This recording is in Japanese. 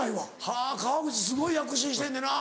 はぁ川口すごい躍進してんねんな。